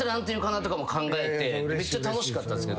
考えてめっちゃ楽しかったんですけど。